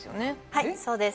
はいそうです